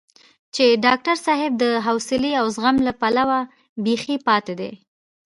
چې ډاکټر صاحب د حوصلې او زغم له پلوه بېخي پاتې دی.